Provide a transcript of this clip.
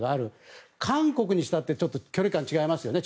韓国にしたってちょっと距離感が違いますよね。